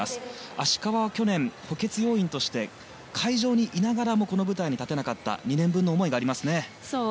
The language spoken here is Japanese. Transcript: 芦川は去年、補欠要員として会場にいながらもこの舞台に立てなかった２年分の思いがありますね。